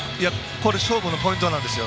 これ勝負のポイントなんですよ。